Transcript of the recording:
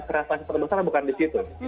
kerasan terbesar bukan di situ